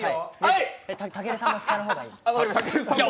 たけるさんも下の方がいい。